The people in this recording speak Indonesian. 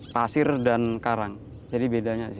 pasir dan karang jadi bedanya